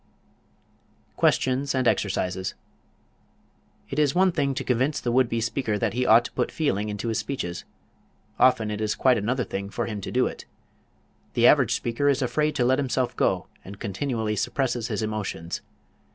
QUESTIONS AND EXERCISES It is one thing to convince the would be speaker that he ought to put feeling into his speeches; often it is quite another thing for him to do it. The average speaker is afraid to let himself go, and continually suppresses his emotions.